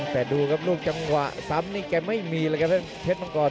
แต่ดูครับลูกจังหวะซ้ำนี่แกไม่มีเลยครับท่านเพชรมังกร